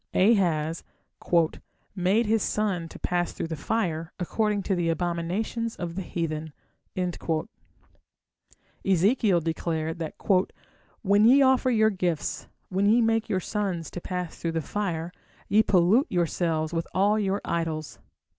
Ahaz "made his son to pass through the fire, according to the abominations of the heathen". Ezekiel declared that "when ye offer your gifts, when ye make your sons to pass through the fire, ye pollute yourselves with all your idols".